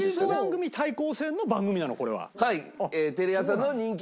はい。